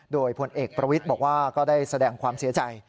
โดยผลเอกประวิทย์บอกว่าก็ได้แสดงความเสียใจ